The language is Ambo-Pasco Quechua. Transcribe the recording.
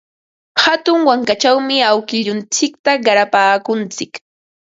Hatun wankachawmi awkilluntsikta qarapaakuntsik.